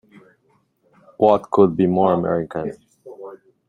What could be more American!